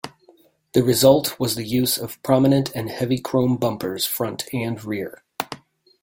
The result was the use of prominent and heavy chrome bumpers front and rear.